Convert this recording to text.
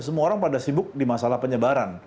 semua orang pada sibuk di masalah penyebaran